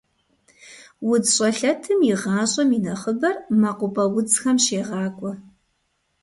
УдзщӀэлъэтым и гъащӀэм и нэхъыбэр мэкъупӀэ удзхэм щегъакӀуэ.